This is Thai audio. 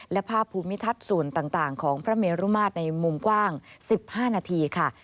และภาพภูมิทัศน์ส่วนต่างของพระเมรุมาตรในมุมกว้าง๑๕นาทีค่ะ